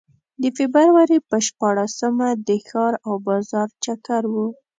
د فبروري په شپاړسمه د ښار او بازار چکر و.